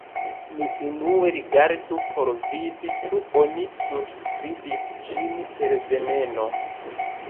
Mi unue rigardu por vidi ĉu oni surskribis ĝin per 'veneno.'